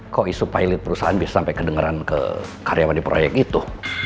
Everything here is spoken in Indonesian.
kok isu pilot perusahaan bisa sampai kedengeran ke karyawan di proyek itu